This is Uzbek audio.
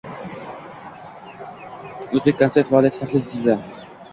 “O‘zbekkonsert" faoliyati tahlil etildi